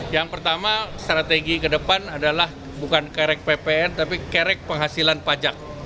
yang pertama strategi ke depan adalah bukan kerek ppn tapi kerek penghasilan pajak